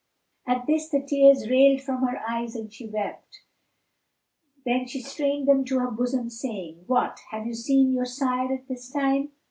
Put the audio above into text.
At this, the tears railed from her eyes and she wept; then she strained them to her bosom, saying, "What! Have you seen your sire at this time?